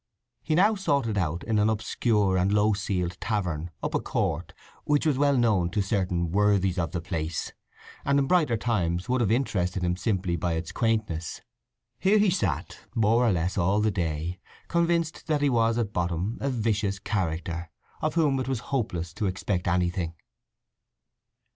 He now sought it out in an obscure and low ceiled tavern up a court which was well known to certain worthies of the place, and in brighter times would have interested him simply by its quaintness. Here he sat more or less all the day, convinced that he was at bottom a vicious character, of whom it was hopeless to expect anything.